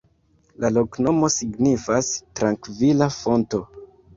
La loknomo signifas: "trankvila fonto".